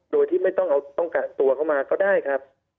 โดยที่ไม่ต้องเอาต้องกักตัวเข้ามาก็ได้ครับ